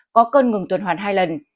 có cơn ngừng tuần hoàn hai lần